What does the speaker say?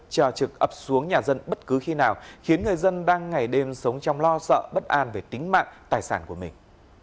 chờ trực ập xuống nhà dân bất cứ khi nào khiến người dân đang ngày đêm sống trong lo sợ bất an về tính mạng tài sản của mình